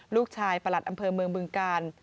ลูกชายประหลัดอำเภอเมืองบึงการ